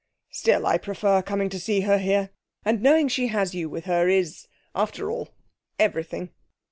'Still, I prefer coming to see her here. And knowing she has you with her is, after all, everything.'